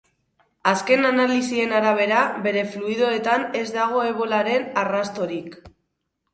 Azken analisien arabera, bere fluidoetan ez dago ebolaren arrastorik.